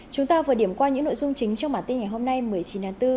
chúng ta vừa điểm qua những nội dung chính trong bản tin ngày hôm nay một mươi chín tháng bốn